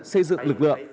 xây dựng lực lượng